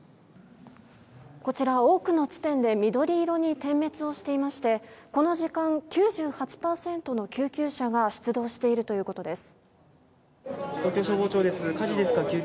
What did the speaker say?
こちら多くの地点で緑色に点滅をしていましてこの時間、９８％の救急車が出動しているということです。